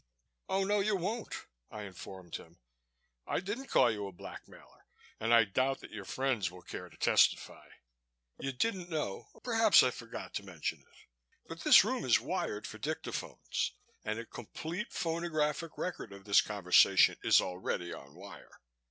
"Oh no, you won't," I informed him. "I didn't call you a blackmailer and I doubt that your friends will care to testify. You didn't know perhaps I forgot to mention it but this room is wired for dictaphones and a complete phonographic record of this conversation is already on wire.